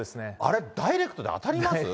あれ、ダイレクトで当たります？